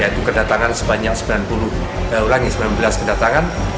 yaitu kedatangan sebanyak sembilan belas kedatangan